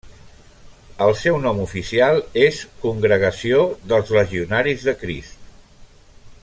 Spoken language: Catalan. El seu nom oficial és Congregació dels Legionaris de Crist.